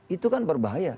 itu kan berbahaya